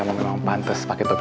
maka bea sudah bilang